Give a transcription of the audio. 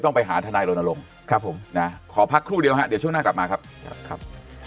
ต้องไปหาทนายโรนโลงขอพักครู่เดี๋ยวช่วงหน้ากลับมาครับ